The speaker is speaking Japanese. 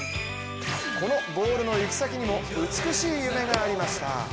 このボールの行き先にも美しい夢がありました。